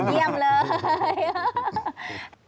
เยี่ยมเลย